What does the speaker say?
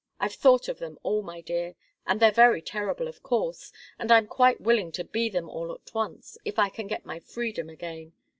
I've thought of them all, my dear; and they're very terrible, of course. But I'm quite willing to be them all at once, if I can only get my freedom again.